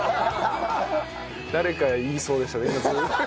誰かが言いそうでしたね『鬼滅』。